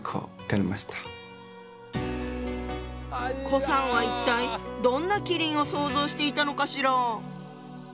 顧さんは一体どんな麒麟を想像していたのかしら？